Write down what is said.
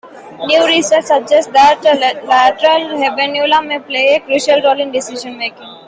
New research suggests that lateral habenula may play a crucial role in decision making.